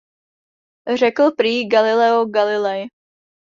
Řekl prý Galileo Galilei.